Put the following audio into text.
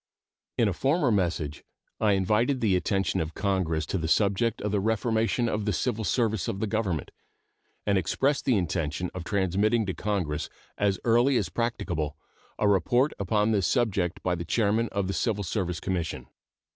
In a former message I invited the attention of Congress to the subject of the reformation of the civil service of the Government, and expressed the intention of transmitting to Congress as early as practicable a report upon this subject by the chairman of the Civil Service Commission.